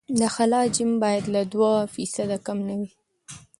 د خلا حجم باید له دوه فیصده کم نه وي